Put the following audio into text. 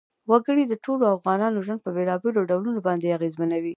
وګړي د ټولو افغانانو ژوند په بېلابېلو ډولونو باندې اغېزمنوي.